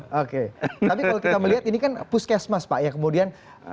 oke tapi kalau kita melihat ini kan puskesmas pak ya kemudian